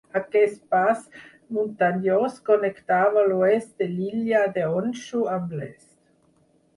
Aquest pas muntanyós connectava l'oest de l'illa de Honshu amb l'est.